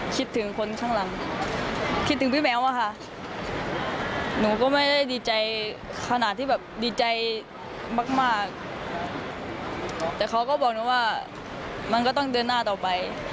คิดถึงคนข้างหลังคิดถึงพี่แมวอะค่ะหนูก็ไม่ได้ดีใจขนาดที่แบบดีใจมากแต่เขาก็บอกหนูว่ามันก็ต้องเดินหน้าต่อไป